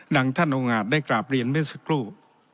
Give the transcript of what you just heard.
ท่านองค์อาจได้กราบเรียนเมื่อสักครู่